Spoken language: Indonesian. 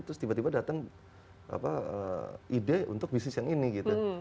terus tiba tiba datang ide untuk bisnis yang ini gitu